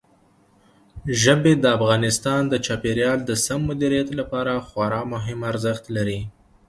ژبې د افغانستان د چاپیریال د سم مدیریت لپاره خورا مهم ارزښت لري.